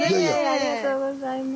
ありがとうございます。